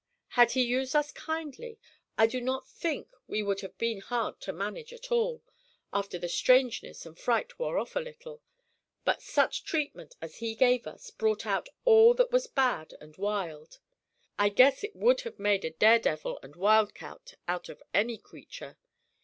Had he used us kindly I do not think we would have been hard to manage at all, after the strangeness and fright wore off a little, but such treatment as he gave us brought out all that was bad and wild; I guess it would have made a daredevil and wildcat out of any creature.